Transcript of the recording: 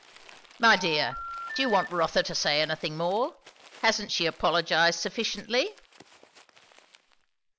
"My dear, do you want Rotha to say anything more? Hasn't she apologized sufficiently?"